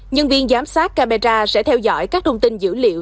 nhân viên giám sát camera sẽ theo dõi các thông tin dữ liệu